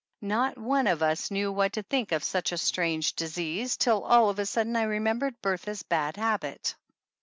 Not one of us knew what to think of such a strange disease till all of a sudden I re membered Bertha's bad habit